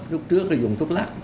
lúc trước là dùng thuốc lắc